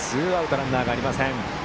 ランナーはありません。